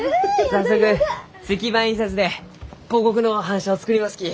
早速石版印刷で広告の版下を作りますき。